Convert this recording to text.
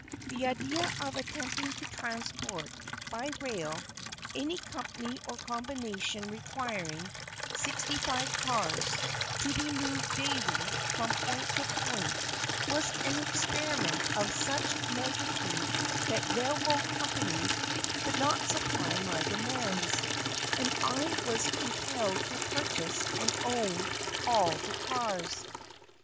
The idea of attempting to transport by rail any company or combination requiring sixty five cars to be moved daily from point to point was an experiment of such magnitude that railroad companies could not supply my demands, and I was compelled to purchase and own all the cars.